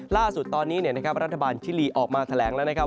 ล่าสุดตอนนี้นะครับรัฐบาลชิลีออกมาแถลงแล้วนะครับ